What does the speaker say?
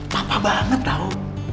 papa banget tau